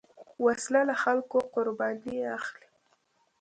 وسله له خلکو قرباني اخلي